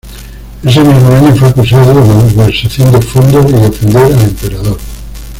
Ese mismo año fue acusado de malversación de fondos y de ofender al emperador.